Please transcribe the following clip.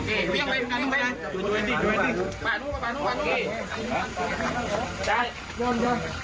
ได้ย่น